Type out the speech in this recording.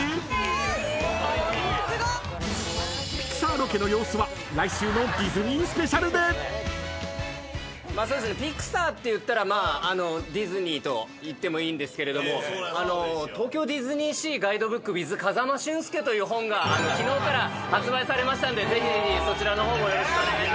［ピクサーロケの様子は来週のディズニーＳＰで！］といってもいいんですけれども『東京ディズニーシーガイドブックｗｉｔｈ風間俊介』という本が昨日から発売されましたんでぜひそちらの方もよろしくお願いします。